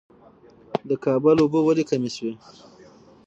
د کابل اوبه ولې کمې شوې؟